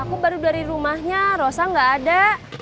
aku baru dari rumahnya rosa gak ada